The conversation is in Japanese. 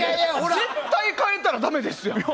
絶対変えたらダメですやん。